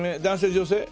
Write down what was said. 女性？